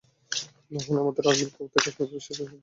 নাহলে আমাদের আর্মির উপর থেকে কাশ্মিরীদের বিশ্বাস উঠে যাবে।